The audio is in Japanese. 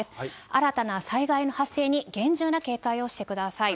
新たな災害の発生に、厳重な警戒をしてください。